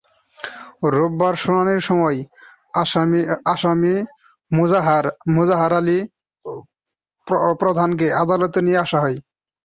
রোববার শুনানির সময় আসামি মোজাহার আলী প্রধানকে আদালতে নিয়ে আসা হয়।